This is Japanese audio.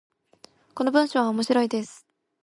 この文章は面白いです。